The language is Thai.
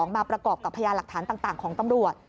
มาประกอบกับพยานหลักฐานต่างของตำรวจ